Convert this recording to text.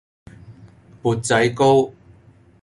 砵仔糕